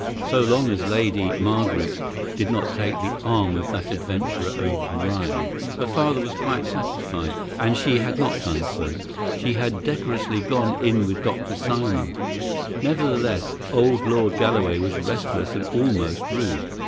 So long as Lady Margaret did not take the arm of that adventurer O'Brien, her father was quite satisfied; and she had not done so, she had decorously gone in with Dr. Simon. Nevertheless, old Lord Galloway was restless and almost rude.